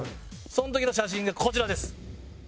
その時の写真がこちらです。